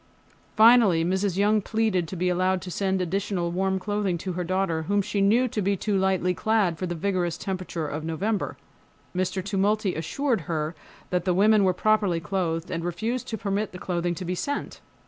Finally Mrs. Young pleaded to be allowed to send additional warm clothing to her daughter, whom she knew to be too lightly clad for the vigorous temperature of November. Mr. Tumulty assured her that the women were properly clothed, and refused to permit the clothing to be sent.